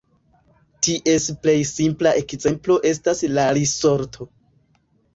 Ties plej simpla ekzemplo estas la risorto.